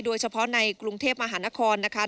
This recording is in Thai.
โดยเฉพาะในกรุงเทพมหานครนะคะ